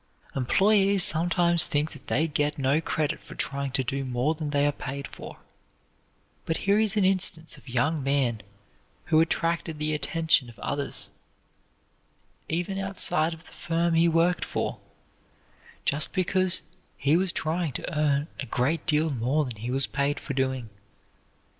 Employees sometimes think that they get no credit for trying to do more than they are paid for; but here is an instance of a young man who attracted the attention of others even outside of the firm he worked for, just because he was trying to earn a great deal more than he was paid for doing.